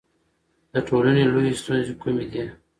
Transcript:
د ټولنې لویې ستونزې کومې دي؟